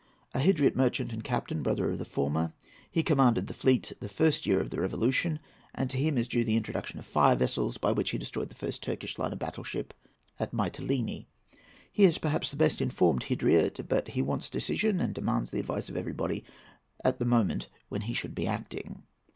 —A Hydriot merchant and captain, brother of the former. He commanded the fleet the first year of the Revolution, and to him is due the introduction of fire vessels, by which he destroyed the first Turkish line of battle ship at Mytelene. He is perhaps the best informed Hydriot; but he wants decision, and demands the advice of everybody at the moment he should be acting.